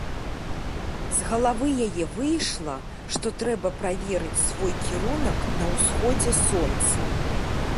З галавы яе выйшла, што трэба праверыць свой кірунак на ўсходзе сонца.